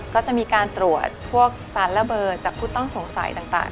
ก็จะมีการตรวจพวกสารระเบิดจากผู้ต้องสงสัยต่าง